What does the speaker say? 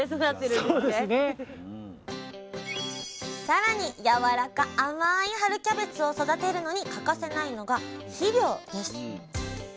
さらにやわらか甘い春キャベツを育てるのに欠かせないのが肥料です。